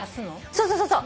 そうそうそうそう。